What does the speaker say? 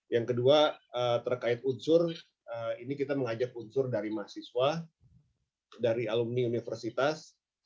yang kedua terkait unsur ini kita mengajak unsur dari mahasiswa dari alumni universitas